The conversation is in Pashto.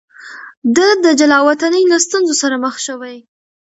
ده د جلاوطنۍ له ستونزو سره مخ شوی.